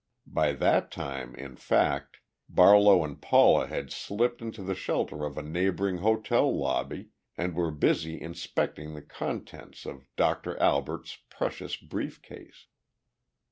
By that time, in fact, Barlow and Paula had slipped into the shelter of a neighboring hotel lobby and were busy inspecting the contents of Doctor Albert's precious brief case.